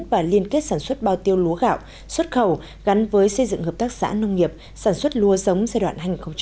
và liên kết sản xuất bao tiêu lúa gạo xuất khẩu gắn với xây dựng hợp tác xã nông nghiệp sản xuất lúa giống giai đoạn hai nghìn một mươi sáu hai nghìn hai mươi